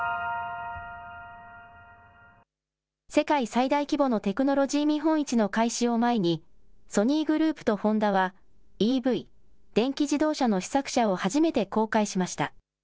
世界最大規模のテクノロジー見本市の開始を前にソニーグループとホンダはＥＶ・電気自動車の試作車を初めて公開しました。